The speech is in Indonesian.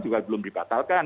juga belum dibatalkan